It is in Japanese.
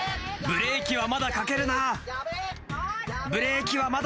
ブレーキはまだかけるな。